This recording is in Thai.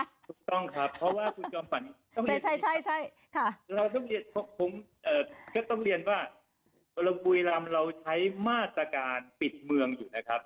ถูกต้องครับเพราะว่าคุณจองขวัญต้องเรียนว่าบุรีรัมน์เราใช้มาตรการปิดเมืองอยู่นะครับ